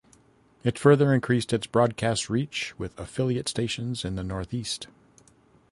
It further increased its broadcast reach with affiliate stations in the northeast.